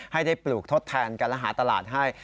ให้ได้ปลูกทดแทนกันและหาตลาดให้